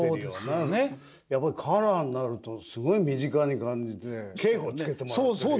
やっぱりカラーになるとすごい身近に感じて稽古つけてもらってるようなね。